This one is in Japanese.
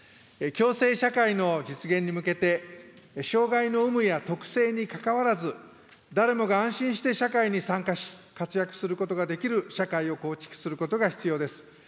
共生社会の実現に向けて、障害の有無や特性にかかわらず、誰もが安心して社会に参加し、活躍することができる社会を構築することが必要です。